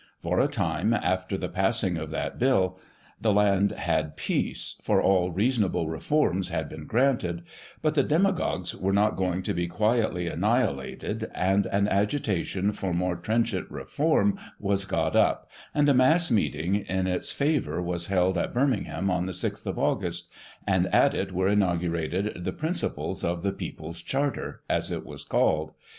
For a time, after the passing of that Bill, the land had peace, for all reasonable reforms had been granted, but the demagogues were not going to be quietly annihilated, and an agitation for more trenchant reform was got up, and a mass meeting in its favour was held at Bir mingham, on the 6th of August, and at it were inaugurated the principles of "The People's Charter," as it was called.